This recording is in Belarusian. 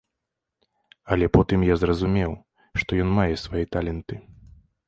Але потым я зразумеў, што ён мае свае таленты.